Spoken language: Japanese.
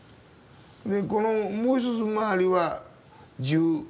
でこのもう一つ周りは１８世紀。